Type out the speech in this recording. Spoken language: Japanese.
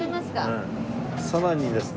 さらにですね